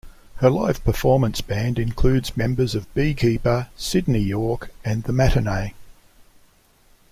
Her live performance band includes members of Beekeeper, Sidney York, and The Matinee.